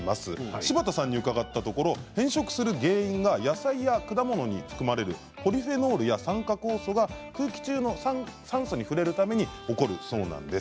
柴田さんに伺ったところ変色する原因に野菜や果物に含まれるポリフェノールや酸化酵素が空気中の酸素に触れるために起こるそうなんです。